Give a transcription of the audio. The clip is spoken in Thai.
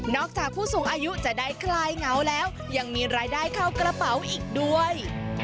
จากผู้สูงอายุจะได้คลายเหงาแล้วยังมีรายได้เข้ากระเป๋าอีกด้วย